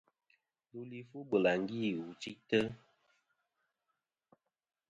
Ndu li fu bɨlàŋgi wù chɨytɨ.